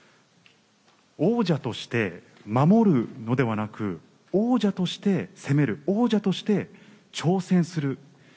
王者として守るのではなく王者として攻める王者として挑戦する。